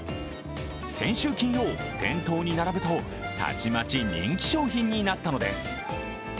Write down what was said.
先週金曜、店頭に並ぶとたちまち人気商品になったのです。